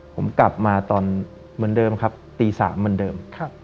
ผมกลับมาตอนเหมือนเดิมครับตี๓เหมือนเดิม